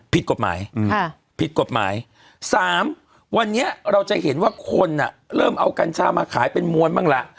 ผิดกบหมาย๓วันนี้เราจะเห็นว่าคนเริ่มเอากัญชามาขายเป็นมวลบ้างละ